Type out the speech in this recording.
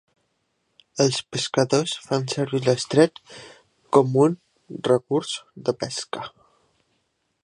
Els pescadors fan servir l'estret com un recurs de pesca.